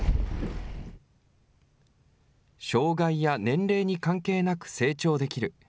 障害や年齢に関係なく成長できる。